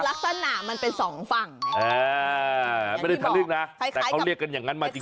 ลักษณะมันเป็นสองฝั่งไม่ได้ทะลึ่งนะแต่เขาเรียกกันอย่างนั้นมาจริง